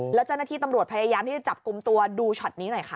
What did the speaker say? แล้วเจ้าหน้าที่ตำรวจพยายามที่จะจับกลุ่มตัวดูช็อตนี้หน่อยค่ะ